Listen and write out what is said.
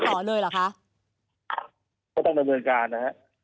ก็ต้องดำเนินการนะฮะ